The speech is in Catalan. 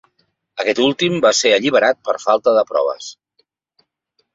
Aquest últim va ser alliberat per falta de proves.